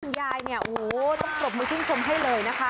คุณยายเนี่ยโอ้โหต้องกลับมาชิงชมให้เลยนะคะ